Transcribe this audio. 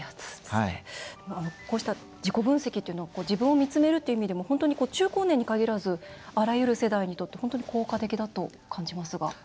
こうした自己分析というのは自分を見つめるという意味でも本当に中高年に限らずあらゆる世代にとって本当に効果的だと感じますが。